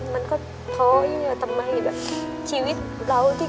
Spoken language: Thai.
มันก็ท้ออย่างนี้ทำไมแบบชีวิตเราที่